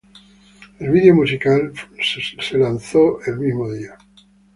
El video musical fue lanzado el mismo día.